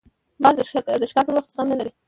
باز د ښکار پر وخت زغم نه لري